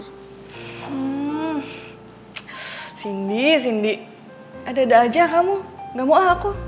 hmm sindi sindi ada ada aja kamu gak mau ah aku